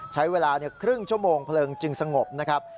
ใช้เวลาครึ่งชั่วโมงเพลิงจึงสงบนะครับ